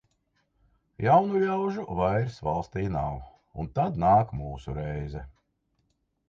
Jaunu ļaužu vairs valstī nav, un tad nāk mūsu reize.